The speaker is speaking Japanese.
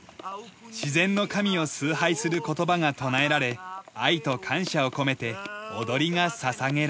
自然の神を崇拝する言葉が唱えられ愛と感謝を込めて踊りが捧げられる。